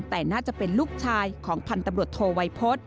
แต่น่าจะเป็นลูกชายของพันธบรวจโทวัยพฤษ